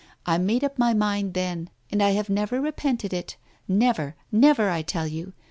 I made up my mind then, and I hive never repented it. Never, never, I tell you.